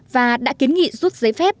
và đã kiến nghị rút giấy phép